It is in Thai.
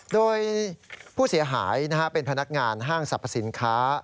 โดยผู้เสียหายเป็นพนักงานห้างสรรพสินค้า